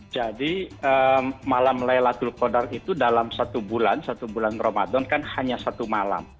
jadi malam laila tul kandar itu dalam satu bulan satu bulan ramadhan kan hanya satu malam